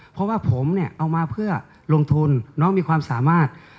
เพราะว่าผมเนี่ยเอามาเพื่อลงทุนน้องมีความสามารถ